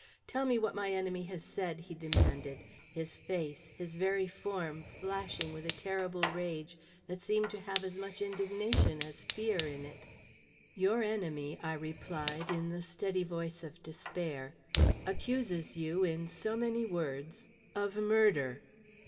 Tell me what my enemy has said!" he demanded, his face, his very form, flashing with a terrible rage that seemed to have as much indignation as fear in it. "Your enemy," I replied, in the steady voice of despair, "accuses you in so many words of murder."